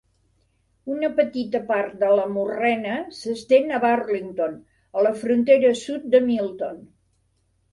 Una petita part de la morrena s'estén a Burlington, a la frontera sud de Milton.